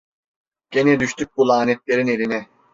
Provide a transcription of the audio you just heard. Gene düştük bu lanetlerin eline!